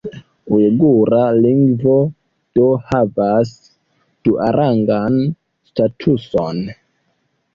Ujgura lingvo do havas duarangan statuson.